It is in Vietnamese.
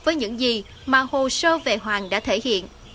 với những gì mà hồ sơ về hoàng đã thể hiện